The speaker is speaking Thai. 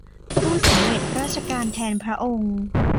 ผู้สำเร็จราชการแทนพระองค์